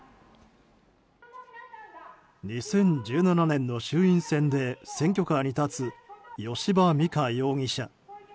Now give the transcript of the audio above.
２０１７年の衆院選で選挙カーに立つ吉羽美華容疑者。